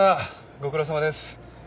ご苦労さまです。